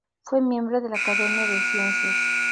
Fue miembro de la Academia de Ciencias.